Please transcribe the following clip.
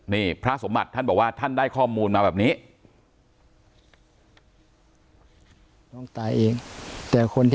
นี่พระสมบัติท่านบอกว่าท่านได้ข้อมูลมาแบบนี้